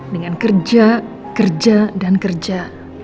dengan kerja kerja dan kerja